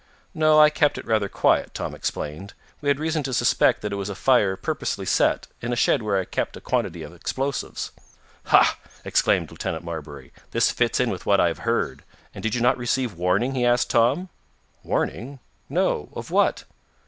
"No, I kept it rather quiet," Tom explained. "We had reason to suspect that it was a fire purposely set, in a shed where I kept a quantity of explosives." "Ha!" exclaimed Lieutenant Marbury. "This fits in with what I have heard. And did you not receive warning?" he asked Tom. "Warning? No. Of what?"